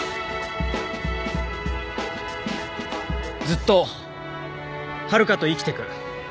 ずっとはるかと生きてく。